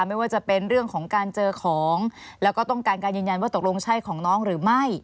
ไม่ว่าจะเป็นเรื่องของการเจอของแล้วก็ต้องการการยืนยันว่าตกลงใช่ของน้องหรือไม่